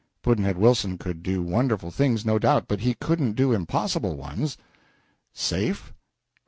Pudd'nhead Wilson could do wonderful things, no doubt, but he couldn't do impossible ones. Safe?